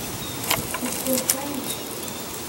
Pour quoi faire ?